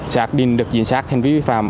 xác định được diện xác hành vi vi phạm